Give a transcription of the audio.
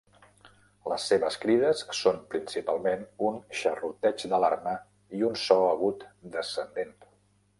Les seves crides són principalment un xerroteig d'alarma i un so agut descendent.